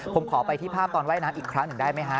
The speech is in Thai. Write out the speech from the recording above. ผมขอไปที่ภาพตอนว่ายน้ำอีกครั้งหนึ่งได้ไหมฮะ